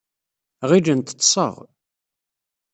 Ɣilent ḍḍseɣ.